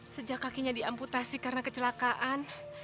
sejak kakinya di amputasi karena kecelakaan